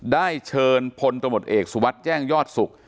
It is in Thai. ได้เชิญพลตมติเอกสุวัสดิ์แจ้งยอดศุกร์